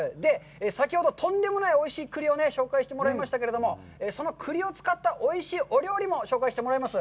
先ほどとんでもないおいしい栗を紹介してもらいましたけれども、その栗を使ったおいしいお料理も紹介してもらいます。